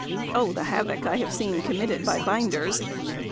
Oh! the havoc I have seen committed by binders.